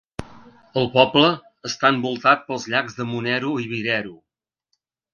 El poble està envoltat pels llacs de Muneru i Vireru.